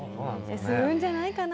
するんじゃないかな？